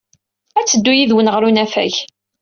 Ad teddu yid-wen ɣer unafag.